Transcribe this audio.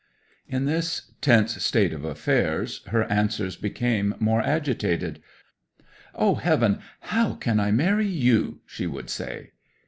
'In this tense state of affairs her answers became more agitated. "O Heaven, how can I marry you!" she would say.